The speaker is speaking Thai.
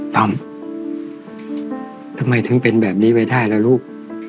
ตั้มทำไมถึงเป็นแบบนี้ไปได้ล่ะลูก